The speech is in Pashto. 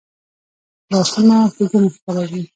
لاسونه ښېګڼه خپروي